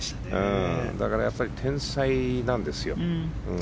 だからやっぱり天才なんですよ。